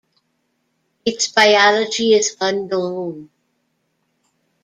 Its biology is unknown.